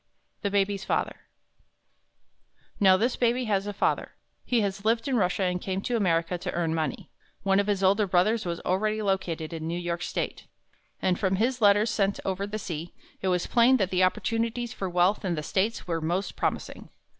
THE BABY'S FATHER Now, this Baby has a father. He has lived in Russia and came to America to earn money. One of his older brothers was already located in New York State, and from his letters sent over the sea, it was plain that the opportunities for wealth in the States were most promising.